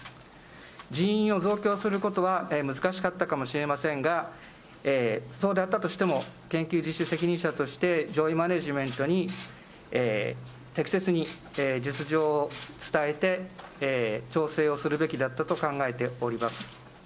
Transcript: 人員を増強することは難しかったかもしれませんが、そうであったとしても、研究実施責任者として、常時マネジメントに適切に実情を伝えて、調整をするべきだったと考えております。